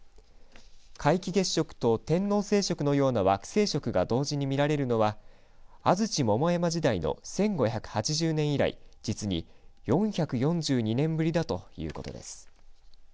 皆既月食と天王星食のような惑星食が同時に見られるのは安土桃山時代の１５８０年以来実に４４２年ぶりだということです。